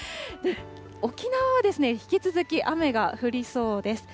沖縄は引き続き雨が降りそうです。